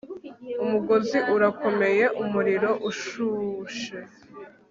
umugozi urakomeye, umuriro ushushe